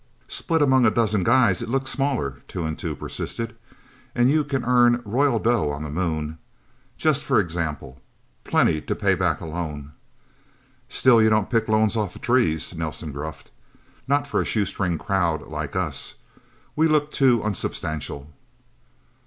"Split among a dozen guys, it looks smaller," Two and Two persisted. "And you can earn royal dough on the Moon just for example. Plenty to pay back a loan." "Still, you don't pick loans off trees," Nelsen gruffed. "Not for a shoestring crowd like us. We look too unsubstantial."